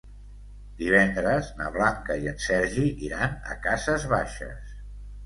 Divendres na Blanca i en Sergi iran a Cases Baixes.